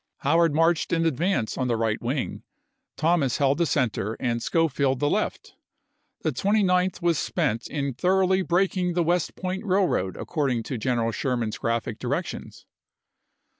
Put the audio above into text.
Howard marched in advance on the right wing, Thomas held the center, and Schofield the left. The 29th was spent in thoroughly breaking the Aug.,i86*. West Point railroad according to General Sher man's graphic directions.